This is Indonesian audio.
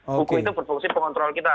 buku itu berfungsi pengontrol kita